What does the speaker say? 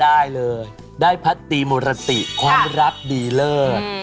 ได้เลยได้พัตตีมุรติความรักดีเลิศ